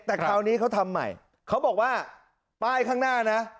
แต่คราวนี้เขาทำใหม่เขาบอกว่าป้ายข้างหน้านะ